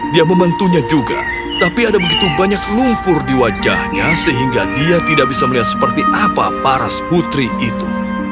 dia membantunya juga tapi ada begitu banyak lumpur di wajahnya sehingga dia tidak bisa melihat seperti apa paras putri itu